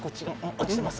落ちてます。